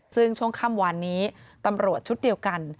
ซึ่งช่วงค่ำวานนี้ตำรวจชุดเดียวกัน